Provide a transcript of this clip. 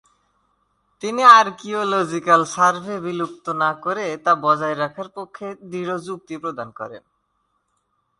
তিনি archaeological survey বিলুপ্ত না করে তা বজায় রাখার পক্ষে দৃঢ় যুক্তি প্রদান করেন।